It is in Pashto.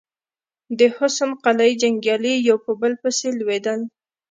د حسن قلي جنګيالي يو په بل پسې لوېدل.